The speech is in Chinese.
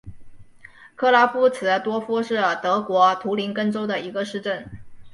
克拉夫茨多夫是德国图林根州的一个市镇。